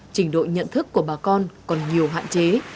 trình độ nhận thức của bà con còn nhiều hạn chế